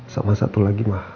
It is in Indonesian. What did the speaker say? sama satu lagi ma